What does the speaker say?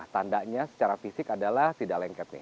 tandanya secara fisik adalah tidak lengket nih